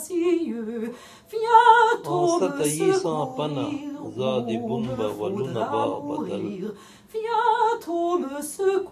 آنسہ تہ یی ساں پنہ زادی بُن بہ ولونہ با بدل